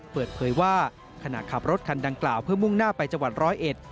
เปิดเผยว่าขณะขับรถคันดังกล่าวเพื่อมุ่งหน้าไปจังหวัดร้อยเอ็ด